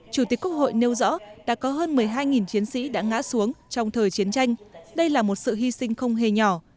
chủ tịch quốc hội nêu rõ đã có hơn một mươi hai chiến sĩ đã ngã xuống trong thời chiến tranh đây là một sự hy sinh không hề nhỏ